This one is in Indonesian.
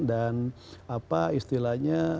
dan apa istilahnya